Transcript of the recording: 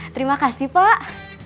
terima kasih pak